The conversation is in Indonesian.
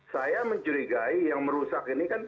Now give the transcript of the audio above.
saya mencurigai yang merusak ini kan pikiran saya